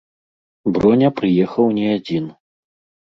Броня прыехаў не адзін.